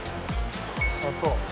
砂糖。